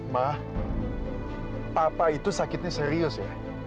mah papa itu sakitnya serius ya